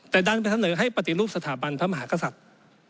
แต่ดันไปเสนอให้ปฏิรูปสถาบันพระมหากษัตริย์